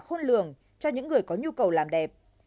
khôn lường cho những người có nhu cầu làm đẹp